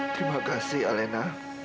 terima kasih alena